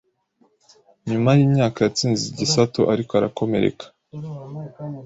Nyuma yimyaka yatsinze igisato ariko arakomereka